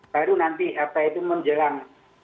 baru nanti apa itu menjelang